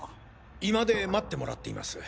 居間で待ってもらっています。